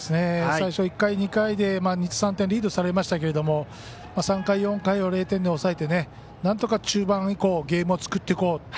最初、１回２回でリードされましたが３回、４回を０点に抑えてなんとか中盤以降ゲームを作っていこう。